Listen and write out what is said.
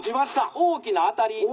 「大きな当たり」。